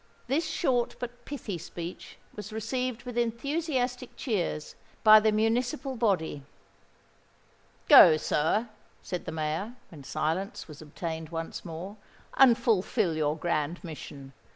This short but pithy speech was received with enthusiastic cheers by the municipal body. "Go, sir," said the Mayor, when silence was obtained once more, "and fulfil your grand mission.